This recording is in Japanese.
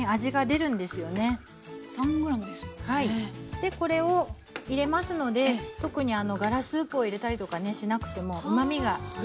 でこれを入れますので特にガラスープを入れたりとかしなくてもうまみが出るんですね。